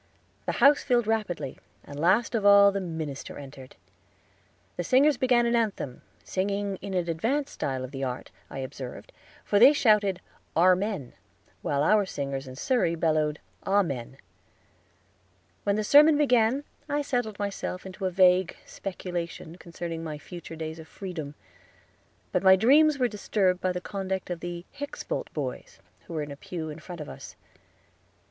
The house filled rapidly, and last of all the minister entered. The singers began an anthem, singing in an advanced style of the art, I observed, for they shouted "Armen," while our singers in Surrey bellowed "Amen." When the sermon began I settled myself into a vague speculation concerning my future days of freedom; but my dreams were disturbed by the conduct of the Hickspold boys, who were in a pew in front of us.